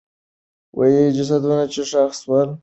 جسدونه چې ښخ سول، د افغانانو وو.